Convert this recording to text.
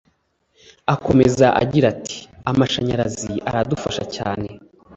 Akomeza agira ati “Amashanyarazi aradufasha cyane